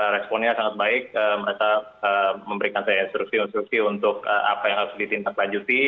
responnya sangat baik mereka memberikan saya instruksi instruksi untuk apa yang harus ditindaklanjuti